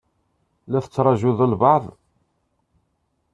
La tettṛajuḍ albaɛḍ?